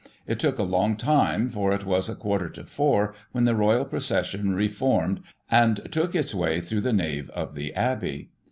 It took a long time, for it was a quarter to four when the royal procession reformed and took its way through the nave of the abbey.